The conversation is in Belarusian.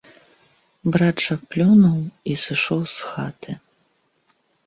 Брат жа плюнуў і сышоў з хаты.